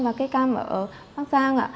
và cây cam ở bắc giang